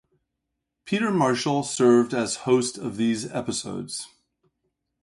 Peter Marshall served as host of these episodes.